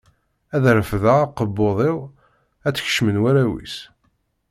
Ad refdeɣ akebbuḍ-iw, ad tt-kecmen warraw-is.